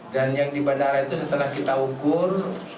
dan yang di bandara itu setelah kita ukur